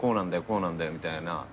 こうなんだよ」みたいな。